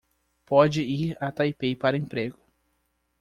Pode ir a Taipei para emprego